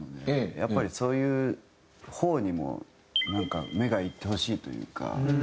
やっぱりそういう方にも目がいってほしいというか。